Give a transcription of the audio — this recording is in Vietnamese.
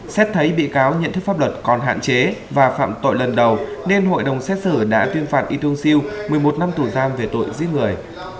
xét thấy bị cáo nhận thức pháp luật còn hạn chế và phạm tội lần đầu nên hội đồng xét xử đã tuyên phạt y tung siêu một mươi một năm tù giam về tội giết người